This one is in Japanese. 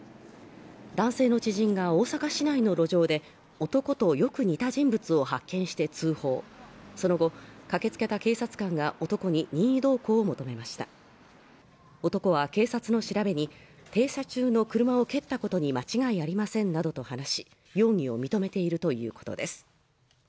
男性の知人が大阪市内の路上で男とよく似た人物を発見して通報その後駆けつけた警察官が男に任意同行を求めました男は警察の調べに停車中の車を蹴ったことに間違いありませんなどと話し容疑を認めているということです